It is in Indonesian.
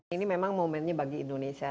ini memang momennya bagi indonesia